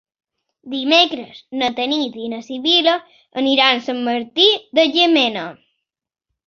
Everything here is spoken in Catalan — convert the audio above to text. Dimecres na Tanit i na Sibil·la aniran a Sant Martí de Llémena.